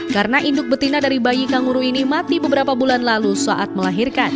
karena induk betina dari bayi kangguru ini mati beberapa bulan lalu saat melahirkan